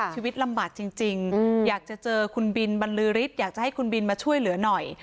ชีวิตลำบากจริงอยากจะเจอคุณบินบรรลือฤทธิ์อยากจะให้คุณบินมาช่วยเหลือหน่อย